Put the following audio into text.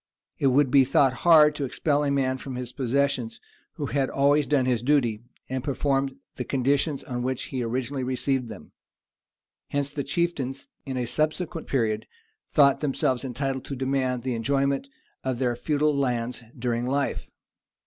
It would be thought hard to expel a man from his possessions who had always done his duty, and performed the conditions on which he originally received them: hence the chieftains, in a subsequent period, thought themselves entitled to demand the enjoyment of their feudal lands during life.